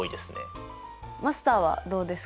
マスターはどうですか？